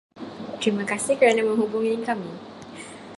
Terima kasih kerana menghubungi kami.